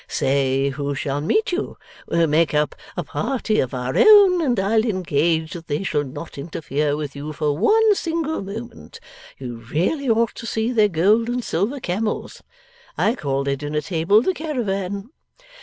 Say who shall meet you. We'll make up a party of our own, and I'll engage that they shall not interfere with you for one single moment. You really ought to see their gold and silver camels. I call their dinner table, the Caravan.